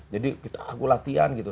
jadi aku latihan gitu